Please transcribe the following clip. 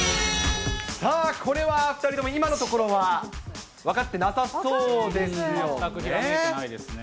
さあ、これは２人とも今のところは分かってなさそうですよね。